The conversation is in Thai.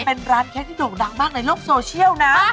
เป็นร้านเค้กที่โด่งดังมากในโลกโซเชียลนะ